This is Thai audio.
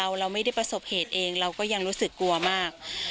เราไม่ได้ประสบเหตุเองเราก็ยังรู้สึกกลัวมาก